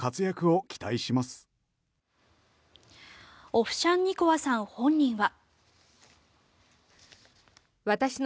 オフシャンニコワさん本人は。